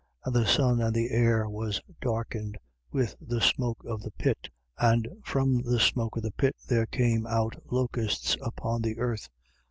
And the sun and the air were darkened with the smoke of the pit. 9:3. And from the smoke of the pit there came out locusts upon the earth.